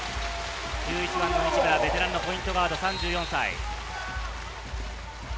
１１番の西村、ベテランのポイントガード、３４歳。